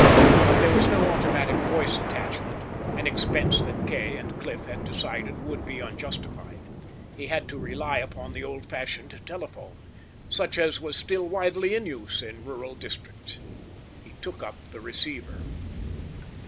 But there was no automatic voice attachment, an expense that Kay and Cliff had decided would be unjustified. He had to rely upon the old fashioned telephone, such as was still widely in use in rural districts. He took up the receiver.